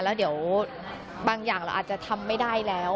แล้วเดี๋ยวบางอย่างเราอาจจะทำไม่ได้แล้ว